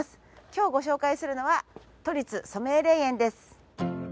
今日ご紹介するのは都立染井霊園です。